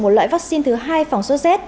một loại vaccine thứ hai phòng số z